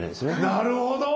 なるほど！